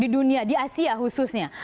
di dunia di asia khususnya